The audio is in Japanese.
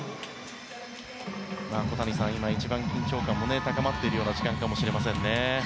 小谷さん、一番緊張感が高まっている時間かもしれませんね。